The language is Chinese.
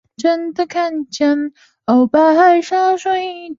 理论得到的答案必须符合实验测量的数据。